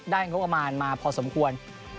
งบประมาณมาพอสมควร